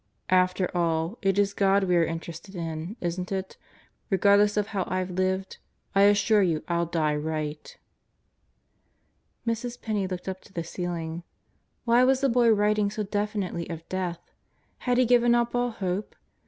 ., after all, it is God we are interested in, isn't it ... regardless of how IVe lived I assure you I'll die right. ..." Mrs. Penney looked up to the ceiling. Why was the boy writing so definitely of death? Had he given up all hope?